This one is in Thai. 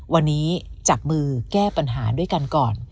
วันนี้จับมือแก้ปัญหาด้วยกันก่อน